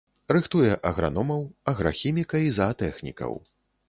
Рыхтуе аграномаў, аграхіміка і заатэхнікаў.